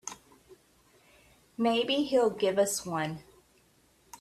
Maybe he'll give us one.